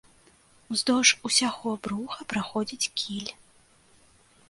Уздоўж усяго бруха праходзіць кіль.